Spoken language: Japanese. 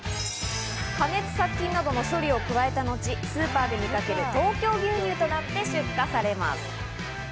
加熱殺菌などの処理を加えた後、スーパーで見かける東京牛乳となって出荷されます。